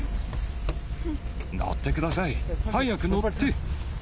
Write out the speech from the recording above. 乗ってください、早く乗って。